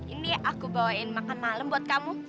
ini aku bawain makan malam buat kamu